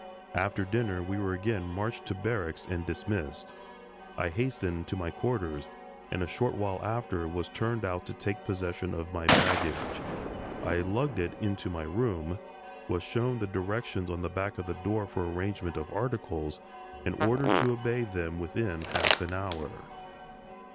After dinner we were again marched to barracks and dismissed. I hastened to my quarters, and a short while after was turned out to take possession of my baggage. I lugged it into my room, was shown the directions on the back of the door for arrangement of articles, and ordered to obey them within half an hour.